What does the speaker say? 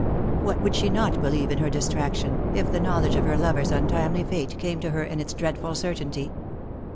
What would she not believe in her distraction, if the knowledge of her lover's untimely fate came to her in its dreadful certainty